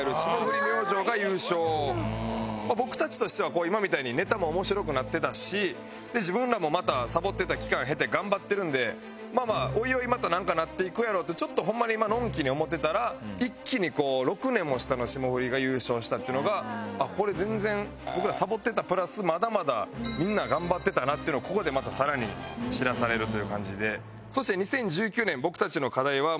僕たちとしては今みたいにネタも面白くなってたし自分らもまたサボってた期間経て頑張ってるんでまあまあおいおいまたなんかなっていくやろうってちょっとホンマにのんきに思ってたら一気にこう６年も下の霜降りが優勝したっていうのがあっこれ全然僕らサボってたプラスまだまだみんな頑張ってたなっていうのをここでまたさらに知らされるという感じで。